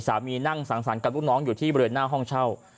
สามีนั่งสั่งสั่งกับทุกน้องอยู่ที่บริเวณหน้าห้องเช่า